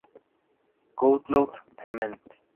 Countdown de Mnet.